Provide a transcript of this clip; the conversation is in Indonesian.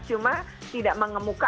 cuma tidak mengemuka